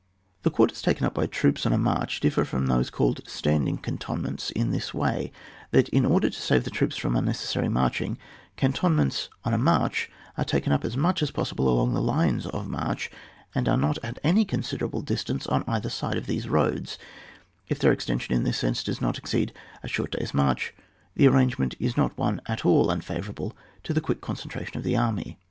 The quarters taken up by troops on a march differ from those called standing cantonments in this way, that, in order to save the troops from unnecessary marching, cantonments on a march are taken up as much as possible along the lines of march, and are not at any con siderable distance on either side of these roads ; if their extension in this sense does not exceed a short day's march, the ar rangement is not one at all unfavourable to the quick concentration of the army.